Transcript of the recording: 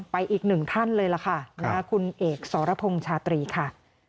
อีกหนึ่งท่านเลยล่ะค่ะคุณเอกสรพงษ์ชาตรีค่ะ